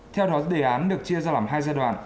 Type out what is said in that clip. theo đó đề án được chia ra làm hai giai đoạn